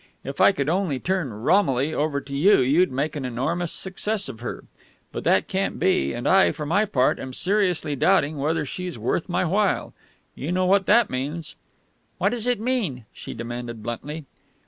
If I could only turn Romilly over to you you'd make an enormous success of her. But that can't be, and I, for my part, am seriously doubting whether she's worth my while. You know what that means." "What does it mean?" she demanded bluntly.